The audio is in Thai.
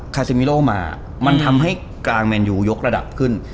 คาซิมิโลมามันทำให้กลางแมนยูยกระดับขึ้น